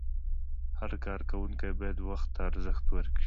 هر کارکوونکی باید وخت ته ارزښت ورکړي.